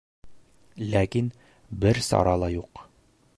Ләкин бер сара ла юҡ.